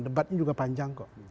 debatnya juga panjang kok